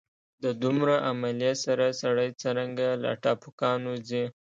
د دومره عملې سره سړی څرنګه له ټاپوګانو ځي.